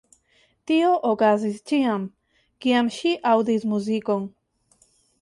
Tio okazis ĉiam, kiam ŝi aŭdis muzikon.